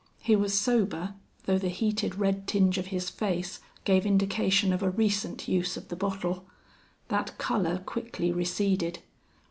He was sober, though the heated red tinge of his face gave indication of a recent use of the bottle. That color quickly receded.